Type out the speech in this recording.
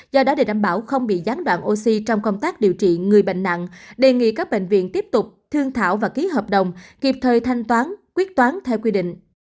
do đó để đảm bảo không bị gián đoạn oxy trong công tác điều trị người bệnh nặng đề nghị các bệnh viện tiếp tục thương thảo và ký hợp đồng kịp thời thanh toán quyết toán theo quy định